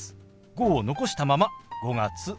「５」を残したまま「５月９日」。